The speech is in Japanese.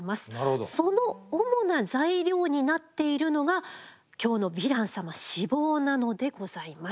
その主な材料になっているのが今日のヴィラン様脂肪なのでございます。